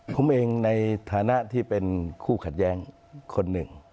ผมเองในฐานะที่เป็นคู่ขัดแย้งคนหนึ่ง